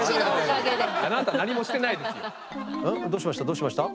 どうしました？